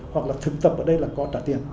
hoặc là thường tập ở đây là có trả tiền